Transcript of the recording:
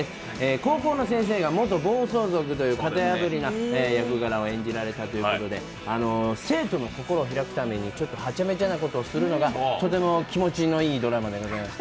高校の先生が元暴走族という型破りな役柄を演じられたということで生徒の心を開くために、はちゃめちゃなことをするのがとても気持ちのいいドラマでございました。